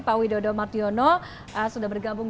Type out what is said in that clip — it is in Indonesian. pak widodo mardiono sudah bergabung